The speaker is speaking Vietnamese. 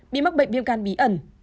bị mắc bệnh viêm gan bí ẩn